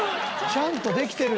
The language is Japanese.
ちゃんとしてる！